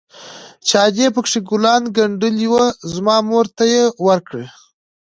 چې ادې پكښې ګلان ګنډلي وو زما مور ته يې وركړي.